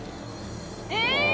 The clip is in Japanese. えっ！